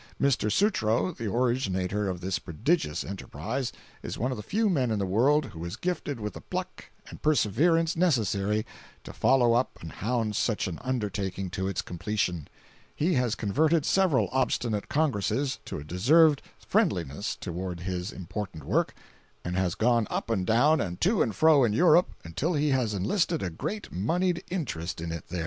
Mr. Sutro, the originator of this prodigious enterprise, is one of the few men in the world who is gifted with the pluck and perseverance necessary to follow up and hound such an undertaking to its completion. He has converted several obstinate Congresses to a deserved friendliness toward his important work, and has gone up and down and to and fro in Europe until he has enlisted a great moneyed interest in it there.